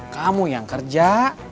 kamu yang kerja